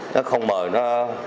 nó không mời nó